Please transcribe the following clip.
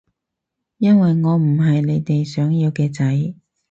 因為我唔係你哋想要嘅仔